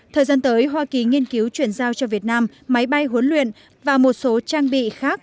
thời gian tới hoa kỳ nghiên cứu chuyển giao cho việt nam máy bay huấn luyện và một số trang bị khác